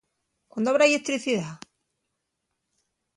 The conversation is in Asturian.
¿Cuándo habrá lletricidá?